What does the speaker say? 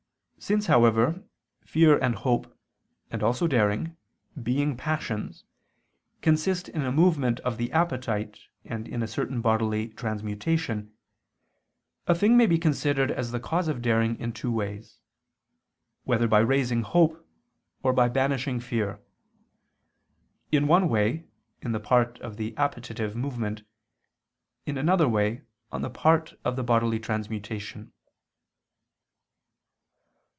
Since, however, fear and hope, and also daring, being passions, consist in a movement of the appetite, and in a certain bodily transmutation; a thing may be considered as the cause of daring in two ways, whether by raising hope, or by banishing fear; in one way, in the part of the appetitive movement; in another way, on the part of the bodily transmutation.